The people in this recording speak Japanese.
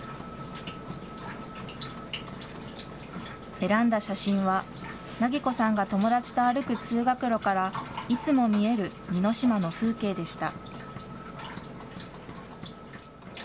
選んだ写真は、梛子さんが友達と歩く通学路からいつも見える似島の風景でした。